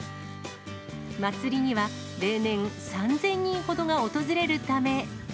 祭りには例年、３０００人ほどが訪れるため。